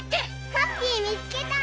ハッピーみつけた！